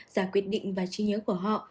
giả quyết định và trí nhớ của họ